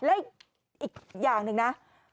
และอีกอย่างหนึ่งนะ